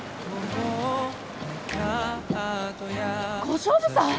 小勝負さん！？